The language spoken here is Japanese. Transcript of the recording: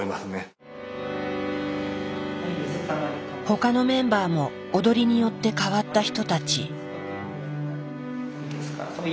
他のメンバーも踊りによって変わった人たち。